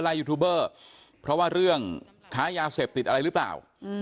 ยูทูบเบอร์เพราะว่าเรื่องค้ายาเสพติดอะไรหรือเปล่า